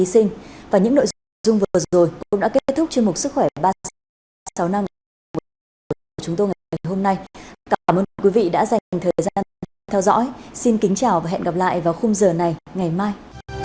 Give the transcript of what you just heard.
xin kính chào và hẹn gặp lại vào khung giờ này ngày mai